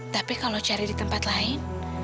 tapi kalau cari di tempat lain